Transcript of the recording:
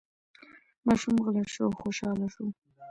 ماشوم غلی شو او خوشحاله شو.